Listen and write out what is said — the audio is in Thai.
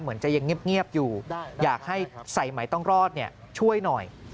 เหมือนจะยังเงียบอยู่อยากให้ใส่ไหมต้องรอดช่วยหน่อย